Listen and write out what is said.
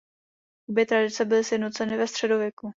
Obě tradice byly sjednoceny ve středověku.